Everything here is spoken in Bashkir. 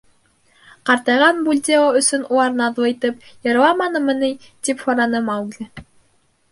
Ҡартайған Бульдео өсөн улар наҙлы итеп «йырламанымы» ни? — тип һораны Маугли.